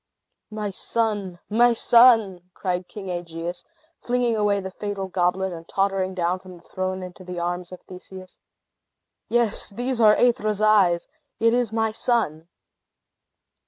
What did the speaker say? "My son! my son!" cried King Aegeus, flinging away the fatal goblet, and tottering down from the throne to fall into the arms of Theseus. "Yes, these are Aethra's eyes. It is my son."